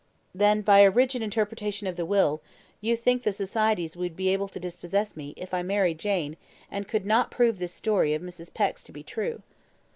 "Then, by a rigid interpretation of the will, you think the societies would be able to dispossess me, if I married Jane, and could not prove this story of Mrs. Peck's to be true."